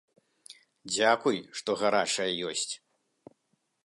Дзякуй, што гарачая ёсць.